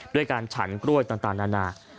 ด้วยการฉันกล้วยต่างนานา